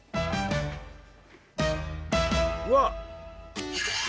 うわっ！